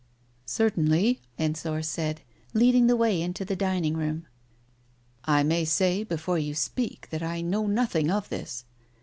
..." "Certainly," Ensor said, leading the way into the dining room. "I may say before you speak that I know nothing of this.